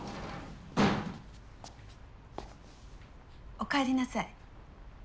お帰りなさい。